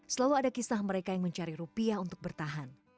selalu ada kisah mereka yang mencari rupiah untuk bertahan